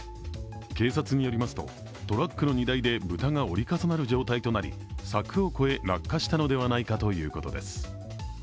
警察によりますとトラックの荷台で豚が折り重なる状態となり柵を越え落下したのではないかということです。